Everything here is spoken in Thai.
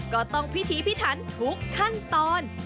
ก็ต้องพิธีพิถันทุกขั้นตอน